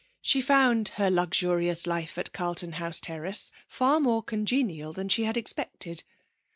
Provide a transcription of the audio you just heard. She found her luxurious life at Carlton House Terrace far more congenial than she had expected.